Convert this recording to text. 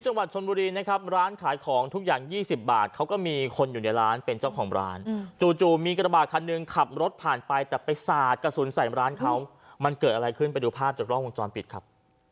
จังหวัดชนบุรีนะครับร้านขายของทุกอย่าง๒๐บาทเขาก็มีคนอยู่ในร้านเป็นเจ้าของร้านจู่มีกระบาดคันหนึ่งขับรถผ่านไปแต่ไปสาดกระสุนใส่ร้านเขามันเกิดอะไรขึ้นไปดูภาพจากกล้องวงจรปิดครับ